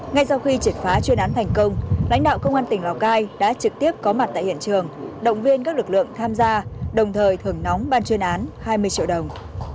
ngay sau khi triệt phá chuyên án thành công lãnh đạo công an tỉnh lào cai đã trực tiếp có mặt tại hiện trường động viên các lực lượng tham gia đồng thời thưởng nóng ban chuyên án hai mươi triệu đồng